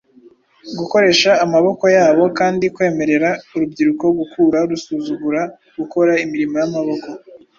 gukoresha amaboko yabo kandi kwemerera urubyiruko gukura rusuzugura gukora imirimo y’amaboko,